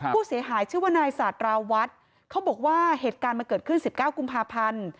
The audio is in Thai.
ผู้เสียหายชื่อว่านายสาธาราวัฒน์เขาบอกว่าเหตุการณ์มันเกิดขึ้น๑๙กุมภาพันธ์